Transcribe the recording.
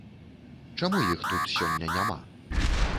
Чаму іх тут сёння няма?